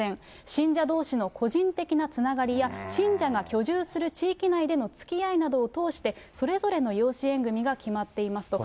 信者どうしの個人的なつながりや、信者が居住する地域内でのつきあいなどを通して、それぞれの養子縁組が決まっていますと。